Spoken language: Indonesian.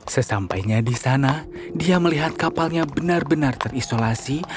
sesampainya di sana dia melihat kapalnya benar benar terisolasi